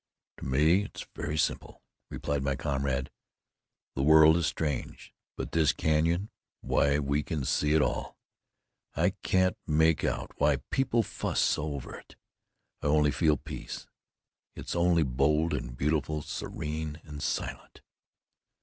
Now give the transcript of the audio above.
"To me it is very simple," replied my comrade. "The world is strange. But this canyon why, we can see it all! I can't make out why people fuss so over it. I only feel peace. It's only bold and beautiful, serene and silent."